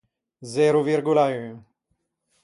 Zero virgola un.